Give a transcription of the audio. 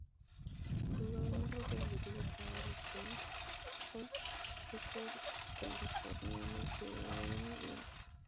El jugador más representativo que ha dado los Crimson es el californiano Jeremy Lin.